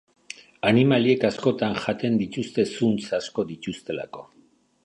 Animaliek askotan jaten dituzte zuntz asko dituztelako.